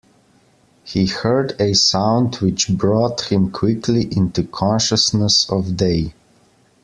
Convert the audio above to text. He heard a sound which brought him quickly into consciousness of day.